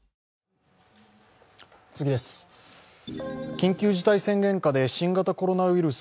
緊急事態宣言下で新型コロナウイルス